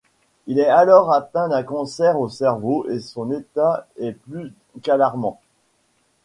Il est alors atteint d’un cancer au cerveau et son état est plus qu’alarmant.